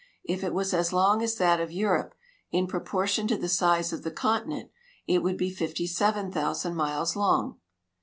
If it was as long as that of Euroi)e, in proportion to the size of the continent, it would be 57,000 miles long.